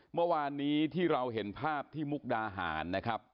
เมื่อวานนี้ที่เราเห็นภาพที่มุกดาหารนะครับ